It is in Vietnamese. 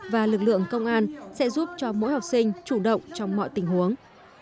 và lực lượng công an sẽ giúp cho mỗi học sinh chủ động trong mọi tình huống